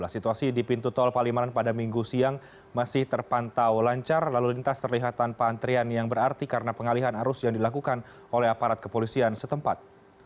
situasi di pintu tol palimanan pada minggu siang masih terpantau lancar lalu lintas terlihat tanpa antrian yang berarti karena pengalihan arus yang dilakukan oleh aparat kepolisian setempat